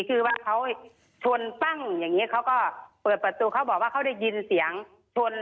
คือว่าเขาชนปั้งอย่างนี้เขาก็เปิดประตูเขาบอกว่าเขาได้ยินเสียงชน